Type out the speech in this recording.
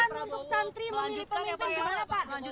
pak pesan untuk cantri memilih pemimpin gimana pak